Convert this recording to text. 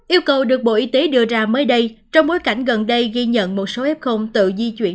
yêu cầu được bộ y tế đưa ra mới đây trong bối cảnh gần đây ghi nhận một số f tự di chuyển